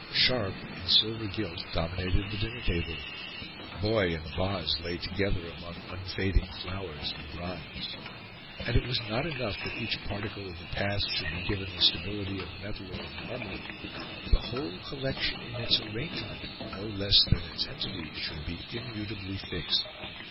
Sharp, in silver gilt, dominated the dinner table; Boy and Boz lay together among unfading flowers, in bronze. And it was not enough that each particle of the past should be given the stability of metal or of marble: the whole collection, in its arrangement, no less than its entity, should be immutably fixed.